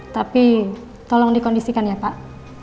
tapi tolong dikondisikan ya pak